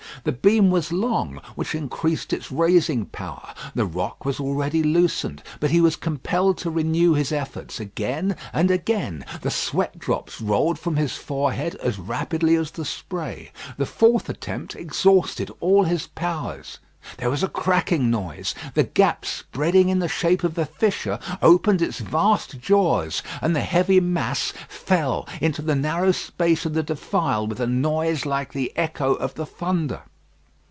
The beam was long, which increased its raising power. The rock was already loosened; but he was compelled to renew his efforts again and again. The sweat drops rolled from his forehead as rapidly as the spray. The fourth attempt exhausted all his powers. There was a cracking noise; the gap spreading in the shape of a fissure, opened its vast jaws, and the heavy mass fell into the narrow space of the defile with a noise like the echo of the thunder.